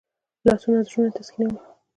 لاسونه زړونه تسکینوي